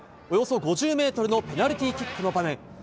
およそ５０ｍのペナルティーキックの場面。